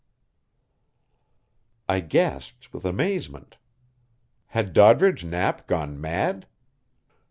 D. K." I gasped with amazement. Had Doddridge Knapp gone mad?